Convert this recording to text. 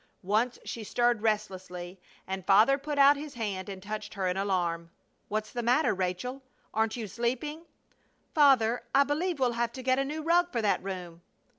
Once she stirred restlessly, and Father put out his hand and touched her in alarm: "What's the matter, Rachel? Aren't you sleeping?" "Father, I believe we'll have to get a new rug for that room."